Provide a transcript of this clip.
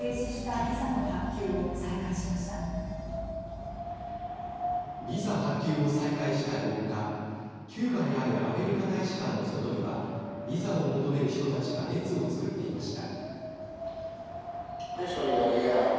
ビザ発給を再開した４日キューバにあるアメリカ大使館の外にはビザを求める人たちが列を作っていました。